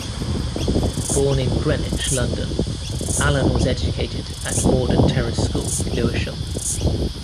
Born in Greenwich, London, Alan was educated at Morden Terrace School, Lewisham.